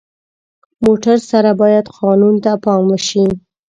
موټر سره باید قانون ته پام وشي.